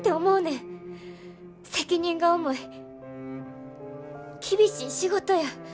責任が重い厳しい仕事や。